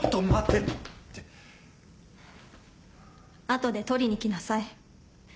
後で取りに来なさい。